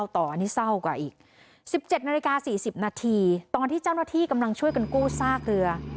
ตอนนี้เศร้ากว่าอีก๑๗นาฬิกา๔๐นาทีตอนที่เจ้าหน้าที่กำลังช่วยกันกู้ซากเรือ